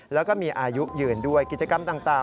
แล้วก็มีอายุยืนด้วยกิจกรรมต่าง